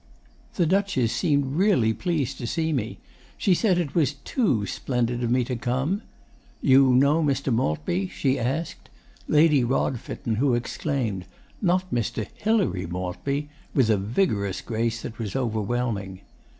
'The Duchess seemed really pleased to see me. She said it was TOO splendid of me to come. "You know Mr. Maltby?" she asked Lady Rodfitten, who exclaimed "Not Mr. HILARY Maltby?" with a vigorous grace that was overwhelming.